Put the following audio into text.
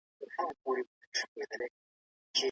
موږ د سایبر نړۍ له قوانینو سره اشنا کیږو.